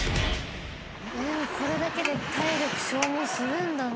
でもそれだけで体力消耗するんだな。